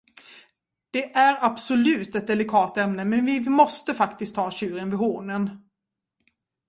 Det är absolut ett delikat ämne men vi måste faktiskt ta tjuren vid hornen.